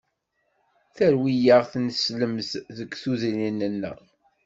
Terwi-aɣ tineslemt deg tudrin-nneɣ.